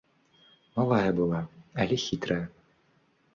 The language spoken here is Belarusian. Малая была, але хітрая.